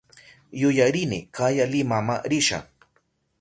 Yuyarini kaya Limama risha.